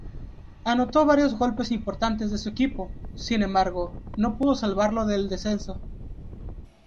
Anotó varios goles importantes de su equipo, sin embargo, no pudo salvarlo del descenso.